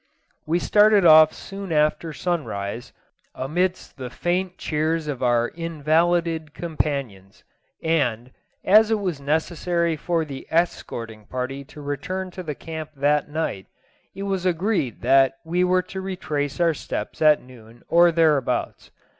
We started off soon after sun rise, amidst the faint cheers of our invalided companions, and, as it was necessary for the escorting party to return to the camp that night, it was agreed that we were to retrace our steps at noon or thereabouts.